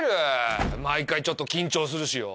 毎回ちょっと緊張するしよ。